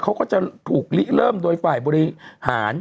เขาก็จะถูกลิเริ่มโดยฝ่ายบริหาร